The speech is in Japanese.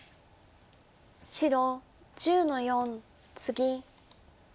白１０の四ツギ。